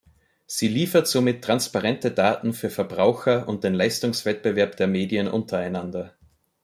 Sie liefert somit transparente Daten für Verbraucher und den Leistungswettbewerb der Medien untereinander.